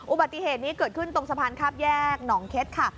อุบัติเหตุนี้เกิดขึ้นตรงสะพานข้ามแยกหนองเค็ดค่ะ